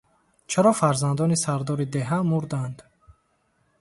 Чаро фарзандони сардори деҳа мурданд?